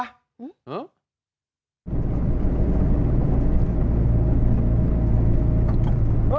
หื้อ